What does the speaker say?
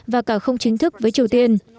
và cả không chính thức với triều tiên